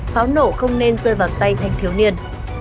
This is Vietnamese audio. pháo nổ không nên rơi vào tay thanh thiếu niên